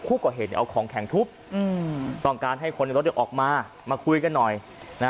ผู้ก่อเหตุเอาของแข็งทุบต้องการให้คนในรถออกมามาคุยกันหน่อย